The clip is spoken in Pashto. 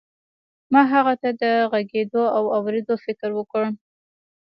ما هغه ته د غږېدو او اورېدو فکر ورکړ.